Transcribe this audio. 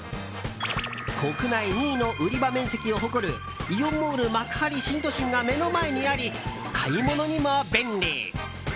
国内２位の売り場面積を誇るイオンモール幕張新都心が目の前にあり、買い物にも便利。